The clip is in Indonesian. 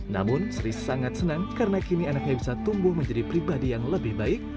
namun sri sangat senang karena kini anaknya bisa tumbuh menjadi pribadi yang lebih baik